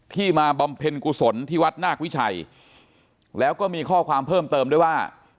มาบำเพ็ญกุศลที่วัดนาควิชัยแล้วก็มีข้อความเพิ่มเติมด้วยว่า